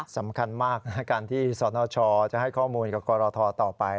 สำคัญมากนะการที่สนชจะให้ข้อมูลกับกรทต่อไป